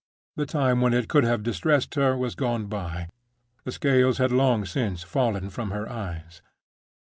The time when it could have distressed her was gone by; the scales had long since fallen from her eyes.